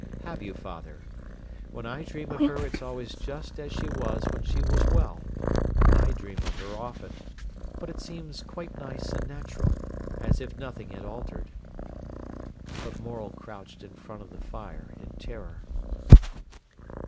"Have you, father? When I dream of her it's always just as she was when she was well. I dream of her often, but it seems quite nice and natural, as if nothing had altered." But Morel crouched in front of the fire in terror.